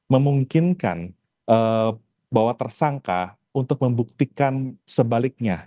memungkinkan bahwa tersangka untuk membuktikan sebaliknya